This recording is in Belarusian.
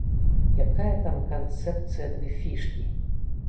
Якая там канцэпцыя ды фішкі!